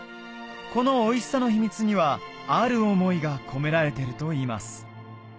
このおいしさの秘密にはある思いが込められてるといいます